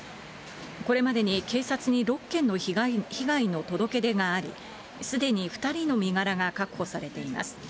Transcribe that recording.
これまでに警察に６件の被害の届け出があり、すでに２人の身柄が確保されています。